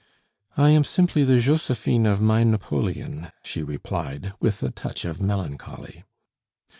"I am simply the Josephine of my Napoleon," she replied, with a touch of melancholy.